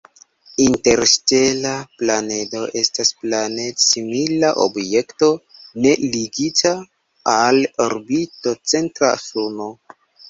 Interstela planedo estas planed-simila objekto ne ligita al orbito-centra suno.